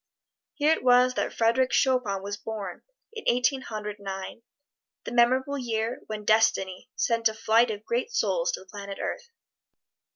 Here it was that Frederic Chopin was born, in Eighteen Hundred Nine that memorable year when Destiny sent a flight of great souls to the planet Earth.